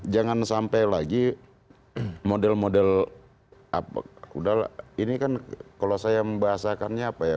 jangan sampai lagi model model ini kan kalau saya membahasakannya apa ya